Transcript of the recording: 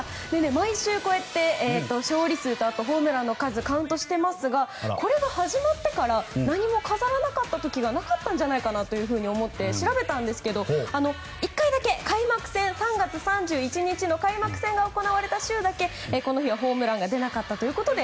毎週こうやって勝利数とホームランの数をカウントしていますがこれが始まってから何も飾らなかった時がなかったんじゃないかなと思って調べたんですが１回だけ３月３１日の開幕戦が行われた週だけこの日は、ホームランが出なかったということで。